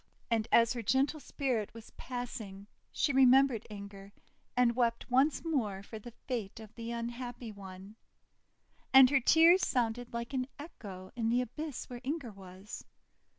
And as her gentle spirit was passing she remembered Inger, and wept once more for the fate of the unhappy one. And her tears sounded like an echo in the abyss where Inger was.